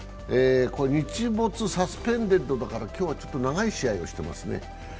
日没サスペンデッドだから、今日は長い試合をしていますね。